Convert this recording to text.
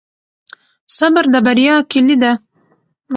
صبر د بریا کلي ده.